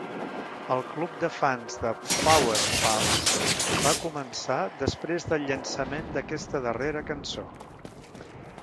El club de fans de "Power Pals" va començar després del llançament d'aquesta darrera cançó.